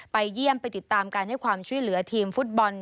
เยี่ยมไปติดตามการให้ความช่วยเหลือทีมฟุตบอล